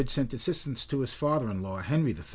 sent assistance to his father in law, Henry III.